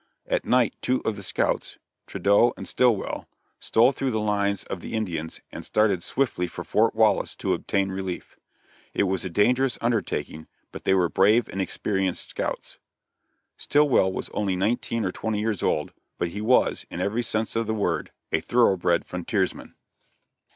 At night two of the scouts, Tradeau and Stillwell, stole through the lines of the Indians, and started swiftly for Fort Wallace to obtain relief. It was a dangerous undertaking, but they were brave and experienced scouts. Stillwell was only nineteen or twenty years old, but he was, in every sense of the word, a thoroughbred frontiersman.